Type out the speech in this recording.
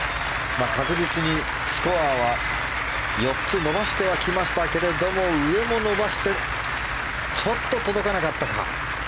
確実にスコアは４つ伸ばしてはきましたけれども上も伸ばしてちょっと届かなかったか。